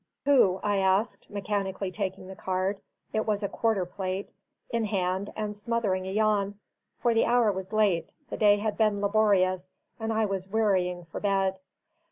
"Who?" I asked, mechanically taking the card (it was a quarter plate) in hand, and smothering a yawn; for the hour was late, the day had been laborious, and I was wearying for bed.